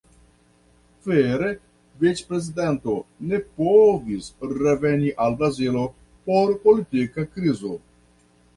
Vere, vic-prezidento ne povis reveni al Brazilo por politika krizo.